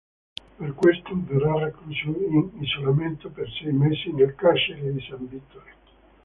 Per questo verrà recluso in isolamento per sei mesi nel carcere di San Vittore.